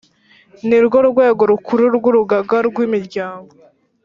Nirwo rwego rukuru rw urugaga rw imiryango